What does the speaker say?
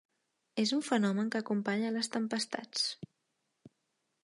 És un fenomen que acompanya les tempestats.